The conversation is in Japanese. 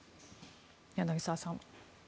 柳澤さん。